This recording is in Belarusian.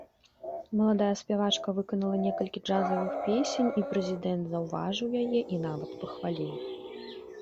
Маладая спявачка выканала некалькі джазавых песень, і прэзідэнт заўважыў яе і нават пахваліў.